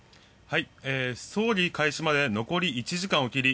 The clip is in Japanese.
葬儀開始まで残り１時間を切り